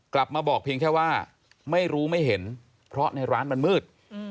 กลับมาบอกเพียงแค่ว่าไม่รู้ไม่เห็นเพราะในร้านมันมืด